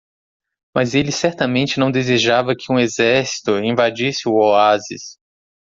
Mas ele certamente não desejava que um exército invadisse o oásis.